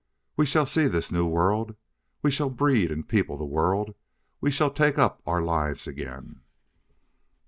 We shall see this new world; we shall breed and people the world; we shall take up our lives again.